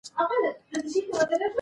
دا وطن په موږ جوړیږي.